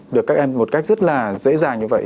được các em một cách rất là dễ dàng như vậy